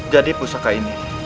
jadi pusaka ini